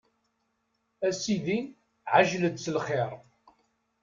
A sidi ɛjel-d s lxir.